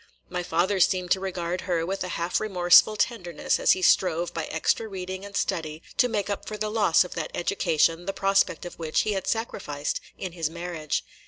My father seemed to regard her with a half remorseful tenderness as he strove by extra reading and study to make up for the loss of that education the prospect of which he had sacrificed in his marriage.